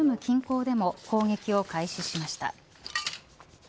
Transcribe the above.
近郊でも攻撃を開始しました。